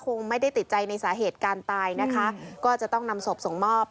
คงไม่ได้ติดใจในสาเหตุการตายนะคะก็จะต้องนำศพส่งมอบ